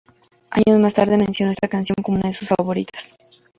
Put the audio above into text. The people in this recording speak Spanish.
Años más tarde, mencionó esta canción como una de sus favoritas.